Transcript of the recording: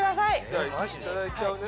じゃあいただいちゃうね。